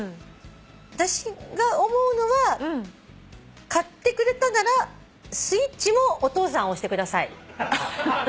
私が思うのは買ってくれたならスイッチもお父さん押してください。